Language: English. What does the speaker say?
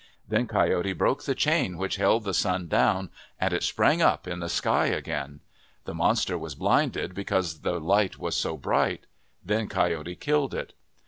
Then Coyote broke the chain which held the sun down, and it sprang up in the sky again. The monster was blinded because the light was so bright. Then Coyote killed it.